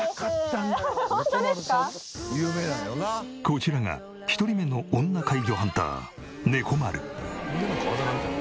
こちらが１人目の女怪魚ハンターねこまる。